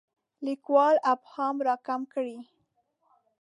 لیکوال ابهام راکم کړي.